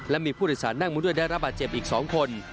และมีผู้โดยสารนั่งมาด้วยได้รับบาดเจ็บอีก๒คน